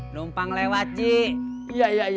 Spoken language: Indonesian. numpang lewat cik